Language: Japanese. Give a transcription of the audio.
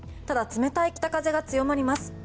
ただ、冷たい北風が強まります。